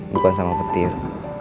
bukan sama petir